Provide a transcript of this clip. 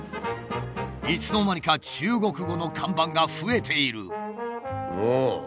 いつの間にか中国語の看板が増えている。